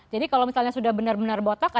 jadi kalau misalnya sudah benar benar botak